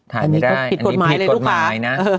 ถ่ายไม่ได้อันนี้ผิดกฎหมายเลยลูกค้า